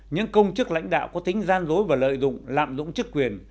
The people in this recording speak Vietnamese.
những công chức lãnh đạo có tính gian dối và lợi dụng lạm dụng chức quyền